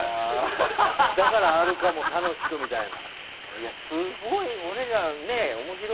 だからあるかも楽しくみたいな。